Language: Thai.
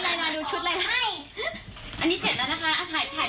ไลน่าดูชุดไลน่า